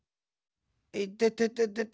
いててててて。